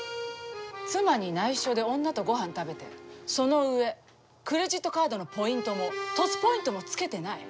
妻にないしょで女とごはん食べてそのうえクレジットカードのポイントもＴＯＳポイントも付けてない。